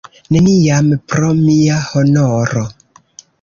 Neniam, pro mia honoro!